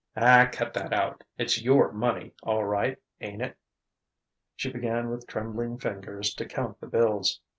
"Ah, cut that out. It's your money, all right ain't it?" She began with trembling fingers to count the bills.